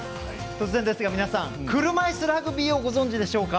突然ですが皆さん車いすラグビーをご存じでしょうか。